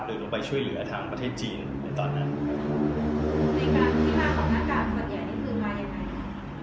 หรือลงไปช่วยเหลือทางประเทศจีนในตอนนั้นครับ